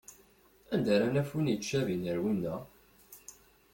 Anda ara naf win yettcabin ar winna?